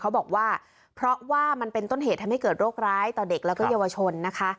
เขาบอกว่าเพราะว่ามันเป็นต้นเหตุทำให้เกิดโรคร้ายต่อเด็กแล้วก็เยาวชนนะคะ